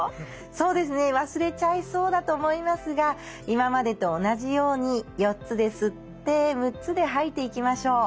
そうですね忘れちゃいそうだと思いますが今までと同じように４つで吸って６つで吐いていきましょう。